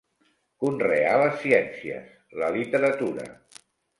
Conrear les ciències, la literatura.